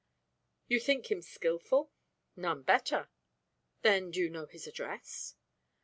"You think him skilful?" "None better." "Then, do you know his address?"